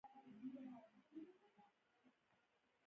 کتابچه کې باید ښکلی خط وکارېږي